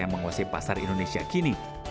yang menguasai pasar indonesia kini